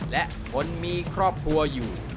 และคนมีครอบครัวอยู่